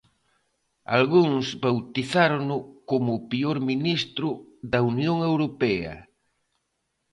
Algúns bautizárono como o peor ministro da Unión Europea.